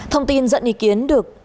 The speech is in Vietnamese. thông tin dẫn ý kiến được